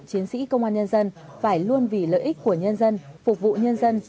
chiến sĩ công an nhân dân phải luôn vì lợi ích của nhân dân phục vụ nhân dân